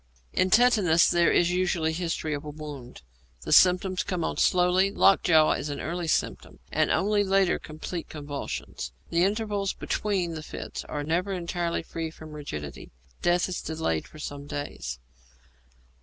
In Tetanus there is usually history of a wound; the symptoms come on slowly; lockjaw is an early symptom, and only later complete convulsions; the intervals between the fits are never entirely free from rigidity. Death is delayed for some days.